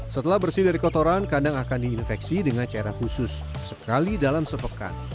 setelah bersih dari kotoran kandang akan diinfeksi dengan cairan khusus sekali dalam sepekan